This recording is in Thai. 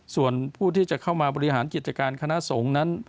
ส่วนผู้ที่จะเข้ามาบริหารกิจการคณะสงฆ์นั้น